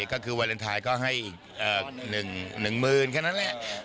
ก็คือวาเลนไทยก็ให้อีก๑หมื่นแค่นั้นแหละ